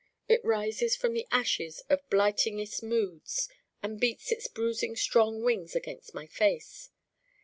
It rises from the ashes of blightingest moods and beats its bruising strong wings against my face.